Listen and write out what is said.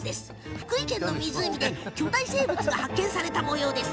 福井県の湖で巨大生物が発見されたもようです。